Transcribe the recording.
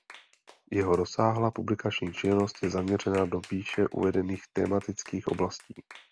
Jeho rozsáhlá publikační činnost je zaměřena do výše uvedených tematických oblastí.